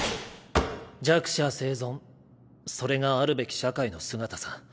弱者生存それがあるべき社会の姿さ。